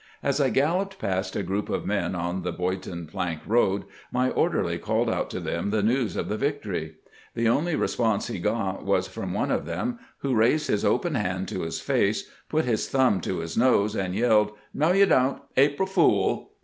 As I galloped past a group of men on the Boydton plank road, my orderly called out to them the news of the victory. The only response he got was from one of them, who raised his open hand to his face, put his thumb to his nose, and yelled :" No, you don't — April fool!"